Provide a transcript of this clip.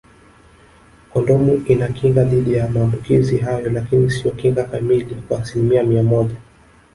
Kondomu inakinga dhidi ya maambukizi hayo lakini si kinga kamili kwa asilimia mia moja